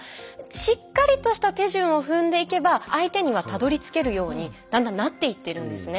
しっかりとした手順を踏んでいけば相手にはたどりつけるようにだんだんなっていってるんですね。